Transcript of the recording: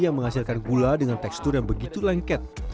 yang menghasilkan gula dengan tekstur yang begitu lengket